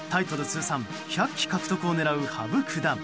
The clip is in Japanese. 通算１００期獲得を狙う羽生九段。